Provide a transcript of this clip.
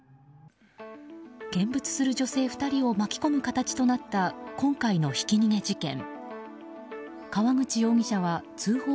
見物する女性２人を巻き込む形となった今回のひき逃げ事件。